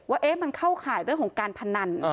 ว่ามันเข้าข่ายเรื่องของการพนัน